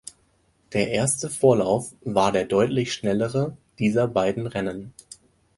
Der erste Vorlauf war der deutlich schnellere dieser beiden Rennen.